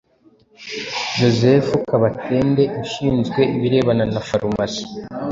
Joseph Kabatende ushinzwe ibirebana na Farumasi